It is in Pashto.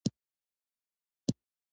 د هغو ترکي خلکو بقایا وي.